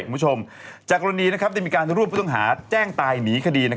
คุณผู้ชมจากกรณีได้มีการรวบผู้ต้องหาแจ้งตายหนีคดี